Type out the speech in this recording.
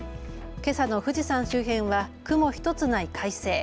けさの富士山周辺は雲一つない快晴。